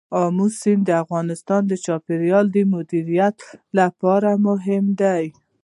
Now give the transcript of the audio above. آمو سیند د افغانستان د چاپیریال د مدیریت لپاره مهم دي.